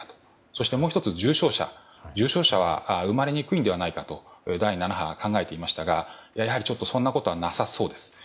そしてもう１つ、重症者は生まれにくいのではないかと第７波は考えていましたがそんなことはなさそうです。